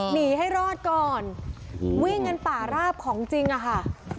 หนีให้รอดก่อนวิ่งกันป่าราบของจริงอะค่ะ